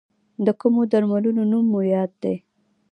د کومو درملو نوم مو په یاد دی؟